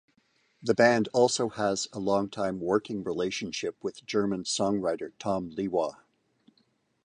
The band also has a long-time working relationship with German songwriter Tom Liwa.